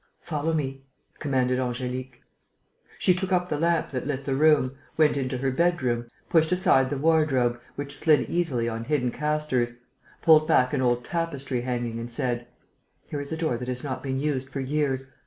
"Follow me," commanded Angélique. She took up the lamp that lit the room, went into her bedroom, pushed aside the wardrobe, which slid easily on hidden castors, pulled back an old tapestry hanging, and said: "Here is a door that has not been used for years.